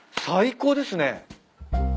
最高ですね。